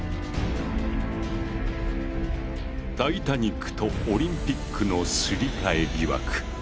タイタニックとオリンピックのすり替え疑惑。